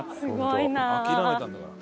諦めたんだから。